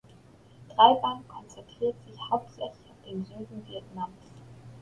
Dreiband konzentriert sich hauptsächlich auf den Süden Vietnams.